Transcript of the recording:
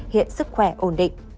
hiện sức khỏe ổn định